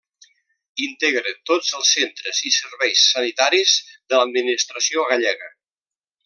Integra tots els centres i serveis sanitaris de l'administració gallega.